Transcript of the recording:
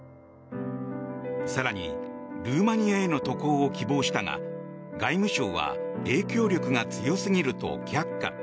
更に、ルーマニアへの渡航を希望したが外務省は影響力が強すぎると却下。